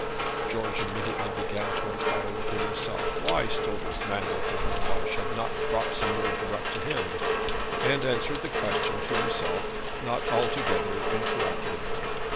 George immediately began to inquire within himself why Stodel's man with the roulage had not brought some word direct to him, and answered the question to himself not altogether incorrectly.